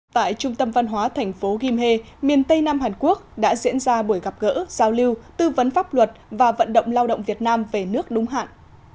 tại trung tâm văn hóa thành phố gimhae miền tây nam hàn quốc đã diễn ra buổi gặp gỡ giao lưu tư vấn pháp luật và vận động lao động việt nam về nước đúng hạn